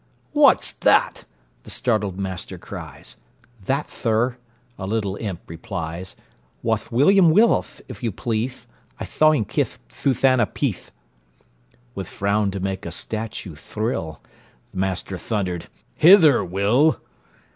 "What's that?" the startled master cries; "That, thir," a little imp replies, "Wath William Willith, if you pleathe I thaw him kith Thuthanna Peathe!" With frown to make a statue thrill, The master thundered, "Hither, Will!"